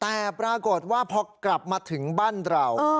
แต่ปรากฏว่าพอกลับมาถึงบ้านเรา